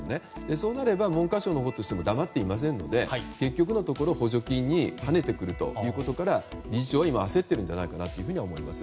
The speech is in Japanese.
そうなれば文科省も黙っていませんので結局のところ補助金に関わってくるということから理事長は今焦っているんじゃないかと思います。